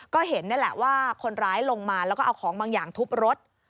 ก็เห็นนี่แหละว่าคนร้ายลงมาแล้วก็เอาของบางอย่างทุบรถ